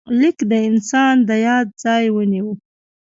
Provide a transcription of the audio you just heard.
لیک د انسان د یاد ځای ونیو.